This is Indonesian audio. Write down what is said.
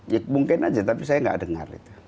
ya mungkin aja tapi saya nggak dengar itu